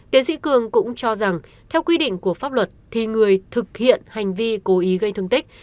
tiến sĩ cường cũng cho rằng theo quy định của pháp luật thì người thực hiện hành vi cố ý gây thương tích